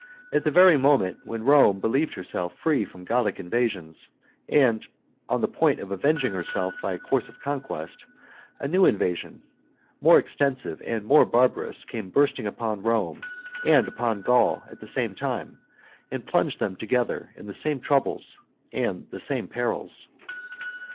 At the very moment when Rome believed herself set free from Gallic invasions, and on the point of avenging herself by a course of conquest, a new invasion, more extensive and more barbarous, came bursting upon Rome and upon Gaul at the same time, and plunged them together in the same troubles and the same perils.